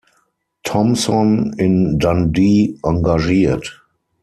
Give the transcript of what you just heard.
Thompson in Dundee engagiert.